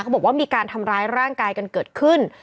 บอกว่ามีการทำร้ายร่างกายกันเกิดขึ้น